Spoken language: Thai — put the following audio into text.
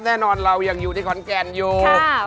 แน่นอนเรายังอยู่ที่ขอนแก่นอยู่